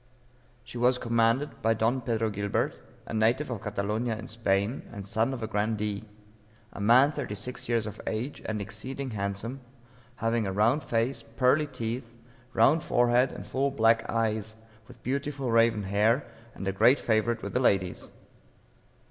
She was commanded by Don Pedro Gilbert, a native of Catalonia, in Spain, and son of a grandee; a man thirty six years of age, and exceeding handsome, having a round face, pearly teeth, round forehead, and full black eyes, with beautiful raven hair, and a great favorite with the ladies.